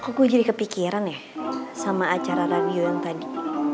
aku jadi kepikiran ya sama acara radio yang tadi